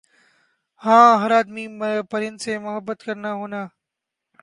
ہاں ہَر آدمی پرند سے محبت کرنا ہونا